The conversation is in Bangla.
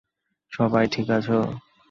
সবাই ঠিক আছো?